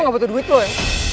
eh gua nggak butuh duit lu ya